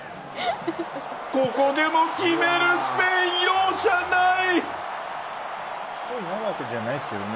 ここでも決めるスペイン、容赦ない。